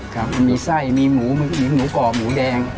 ครับมันมีไส้มีหมูมีหมูกรอบหมูแดง